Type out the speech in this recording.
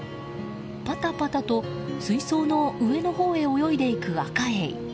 パタパタと水槽の上のほうへ泳いでいくアカエイ。